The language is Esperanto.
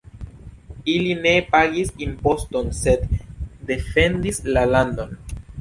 Ili ne pagis imposton, sed defendis la landon.